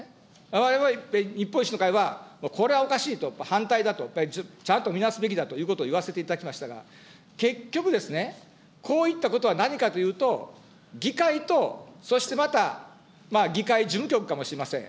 われわれ日本維新の会は、これはおかしいと、反対だと、ちゃんと見直すべきだということを言わせていただきましたが、結局ですね、こういったことは何かというと、議会とそしてまた議会事務局かもしれません。